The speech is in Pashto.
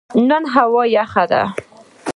نن هوا یخه ده